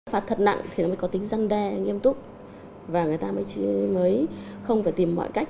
phạt thật nặng thì nó mới có tính răn đe nghiêm túc và người ta mới không phải tìm mọi cách